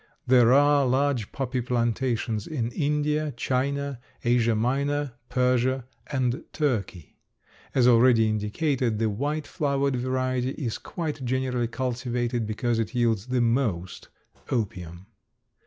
There are large poppy plantations in India, China, Asia Minor, Persia, and Turkey. As already indicated, the white flowered variety is quite generally cultivated because it yields the most opium.